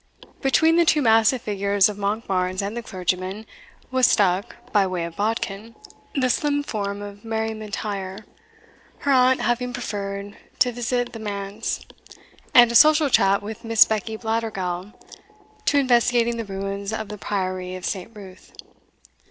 Between the two massive figures of Monkbarns and the clergyman was stuck, by way of bodkin, the slim form of Mary M'Intyre, her aunt having preferred a visit to the manse, and a social chat with Miss Beckie Blattergowl, to investigating the ruins of the priory of Saint Ruth.